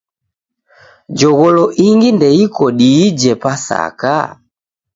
Jogholo ingi ndeiko diije Pasaka?